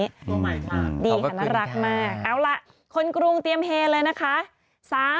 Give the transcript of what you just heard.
ใหม่มากดีค่ะน่ารักมากเอาล่ะคนกรุงเตรียมเฮเลยนะคะ